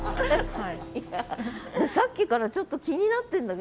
でさっきからちょっと気になってんだけど